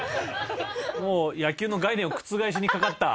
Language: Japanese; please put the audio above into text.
もう野球の概念を覆しにかかった。